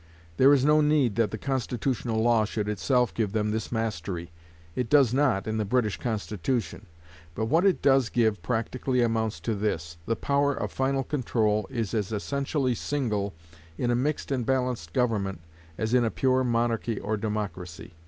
There is no need that the constitutional law should itself give them this mastery. It does not in the British Constitution. But what it does give practically amounts to this: the power of final control is as essentially single, in a mixed and balanced government, as in a pure monarchy or democracy.